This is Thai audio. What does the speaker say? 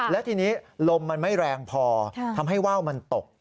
และทีนี้ลมมันไม่แรงพอทำให้ว่าวมันตก